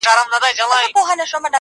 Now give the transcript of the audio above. ما خو زولني په وینو سرې پکښي لیدلي دي؛